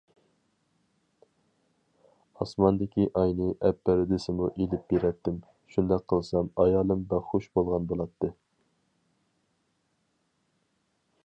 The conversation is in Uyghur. ئاسماندىكى ئاينى ئەپ بەر دېسىمۇ ئېلىپ بېرەتتىم، شۇنداق قىلسام ئايالىم بەك خۇش بولغان بولاتتى.